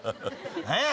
何や！